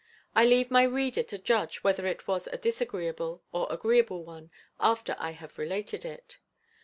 I leave my reader to judge whether it was a disagreeable or agreeable one after I have related it.